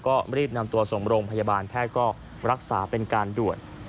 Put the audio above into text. ก็รีบนำตัวส่งโรงพยาบาลแพทย์ก็รักษาเป็นการด่วน